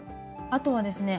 あとはですね